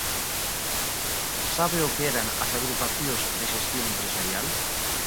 ¿Sabe o que eran as Agrupacións de Xestión Empresarial?